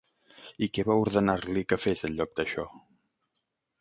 I què va ordenar-li que fes en lloc d'això?